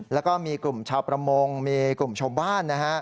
แล้วก็มีกลุ่มชาวประมงมีกลุ่มชาวบ้านนะฮะ